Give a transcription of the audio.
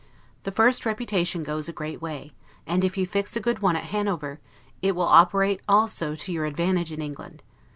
The first reputation goes a great way; and if you fix a good one at Hanover, it will operate also to your advantage in England.